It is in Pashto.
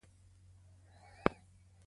هغه لوبغاړی یا ورزشکار نه و.